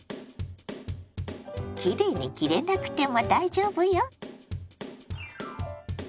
きれいに切れなくても大丈夫よ！